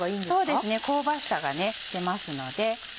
そうですね香ばしさが出ますので。